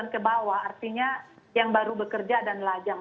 ke bawah artinya yang baru bekerja dan lajang